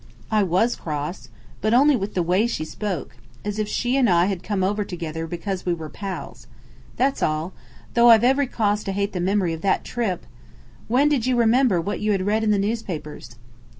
"I was cross. But only with the way she spoke as if she and I had come over together because we were pals. That's all. Though I've every cause to hate the memory of that trip! When did you remember what you had read in the newspapers?"